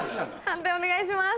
判定お願いします。